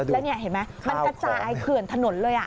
แล้วนี่เห็นไหมมันกระจายเขื่อนถนนเลย